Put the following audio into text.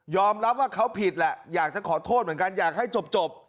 รับว่าเขาผิดแหละอยากจะขอโทษเหมือนกันอยากให้จบ